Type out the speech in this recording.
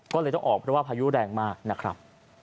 ก็เลยต้องออกเพราะว่าพายุแรงมากนะครับ